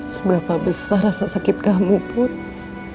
seberapa besar rasa sakit kamu putri